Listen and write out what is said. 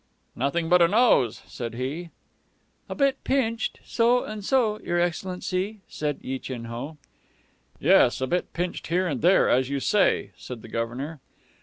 "Nothing but a nose," said he. "A bit pinched, so, and so, your excellency," said Yi Chin Ho. "Yes, a bit pinched here and there, as you say," said the Governor.